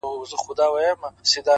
o كه به زما په دعا كيږي؛